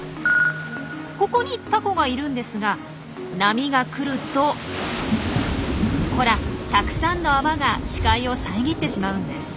ここにタコがいるんですが波が来るとほらたくさんの泡が視界を遮ってしまうんです。